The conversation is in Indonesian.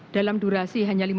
dalam durasi sekitar satu hari